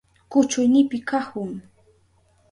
Kuchuynipi kahun.